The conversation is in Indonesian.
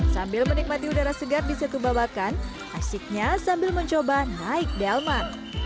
sambil menikmati udara segar di situ babakan asiknya sambil mencoba naik delman